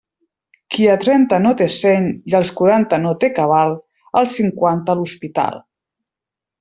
Qui a trenta no té seny i als quaranta no té cabal, als cinquanta a l'hospital.